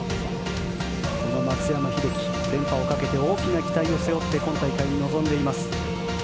この松山英樹、連覇をかけた大きな期待を背負って今大会に臨んでいます。